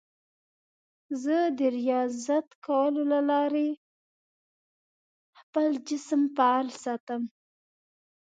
زه د ریاضت کولو له لارې خپل جسم فعال ساتم.